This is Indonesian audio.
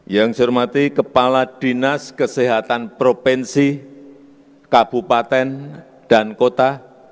yang saya hormati kepala dinas kesehatan provinsi kabupaten dan kota